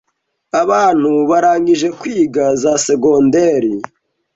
abantu barangije kwiga za Segonderi